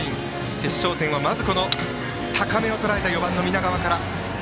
決勝点は、まず高めをとらえた４番の南川から。